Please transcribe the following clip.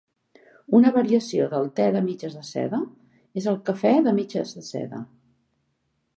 Una variació del "te de mitges de seda" és el "cafè de mitges de seda".